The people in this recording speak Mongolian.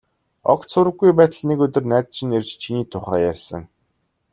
Огт сураггүй байтал нэг өдөр найз чинь ирж, чиний тухай ярьсан.